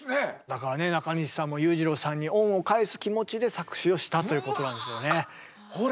だからねなかにしさんも裕次郎さんに恩を返す気持ちで作詞をしたということなんですよね。